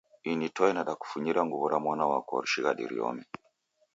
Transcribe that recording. Ini toe nadakufunyira nguw'o ra mwana wako shighadi riome.